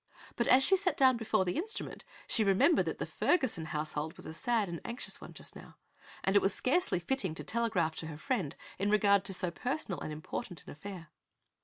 But as she sat down before the instrument she remembered that the Ferguson household was a sad and anxious one just now and it was scarcely fitting to telegraph to her friend in regard to so personal and important an affair.